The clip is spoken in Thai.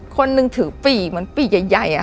คนหนึ่งถือปีกเหมือนปีกใหญ่